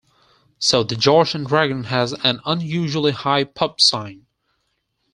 So the "George and Dragon" has an unusually high pub sign.